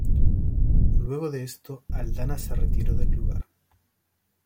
Luego de esto, Aldana se retiró del lugar.